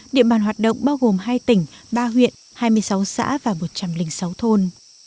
địa bàn hoạt động bao gồm hai tỉnh ba huyện hai mươi sáu xã và một trăm linh sáu thôn